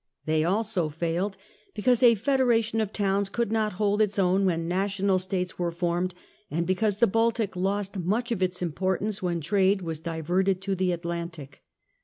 They also failed because a federation of towns could not hold its own when national states were formed, and be cause the Baltic lost nuich of its importance when trade was diverted to the Atlantic.